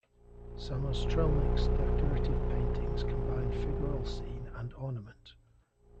Samostrzelnik's decorative paintings combine figural scene and ornament.